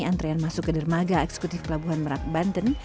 antrean masuk ke dermaga eksekutif pelabuhan merak banten